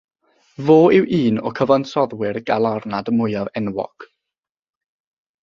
Fo yw un o'r cyfansoddwyr galarnad mwyaf enwog.